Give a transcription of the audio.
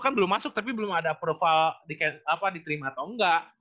kan belum masuk tapi belum ada profile diterima atau enggak